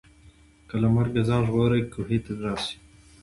که له مرګه ځان ژغورې کوهي ته راسه